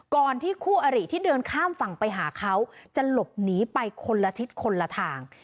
ก่อนที่คู่อริที่เดินข้ามฝั่งไปหาเขาจะหลบหนีไปคนละทิศคนละทาง